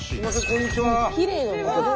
こんにちは。